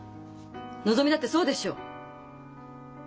のぞみだってそうでしょう？